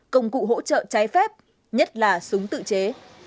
công cụ hỗ trợ trái phép nhất là súng tự chế